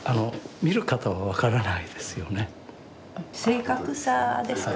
正確さですかね。